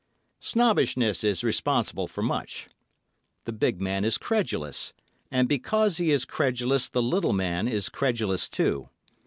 Snobbishness is responsible for much. The big man is credulous, and because he is credulous the little man is credulous too.